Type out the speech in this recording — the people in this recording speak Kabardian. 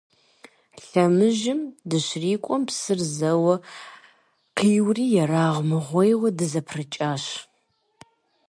Лъэмыжым дыщрикӏуэм, псыр зэуэ къиури, ерагъ мыгъуейуэ дызэпрыкӏащ.